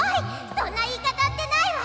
そんないいかたってないわ！